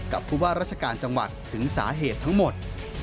ผู้ว่าราชการจังหวัดถึงสาเหตุทั้งหมด